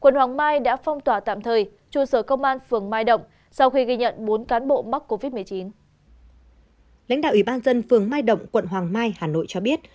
lãnh đạo ủy ban dân phường mai động quận hoàng mai hà nội cho biết